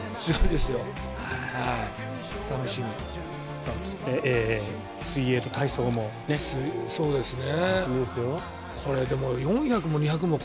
そして、水泳と体操もね。